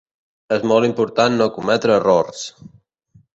És molt important no cometre errors.